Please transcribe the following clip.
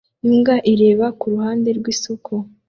Imbwa ireba kuruhande rwisoko